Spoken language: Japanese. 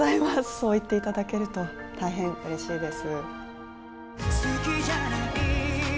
そう言っていただけると、大変うれしいです。